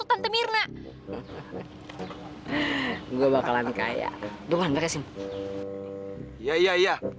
eh laura kamu udah selesai mandinya